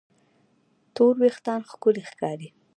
تور وېښتيان ښکلي ښکاري.